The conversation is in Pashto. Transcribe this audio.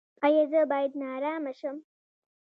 ایا زه باید نارامه شم؟